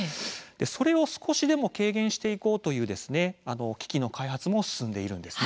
それを少しでも軽減していこうという機器の開発も進んでいるんです。